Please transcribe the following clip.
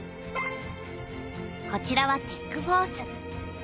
こちらは「テック・フォース」。